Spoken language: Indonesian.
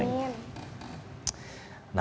terima kasih nida